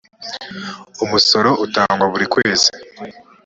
umusoro utangwa burikwezi.